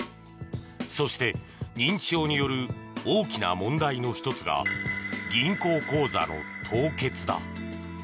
そして、認知症による大きな問題の１つが銀行口座の凍結だ。